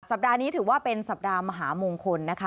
ปัดนี้ถือว่าเป็นสัปดาห์มหามงคลนะคะ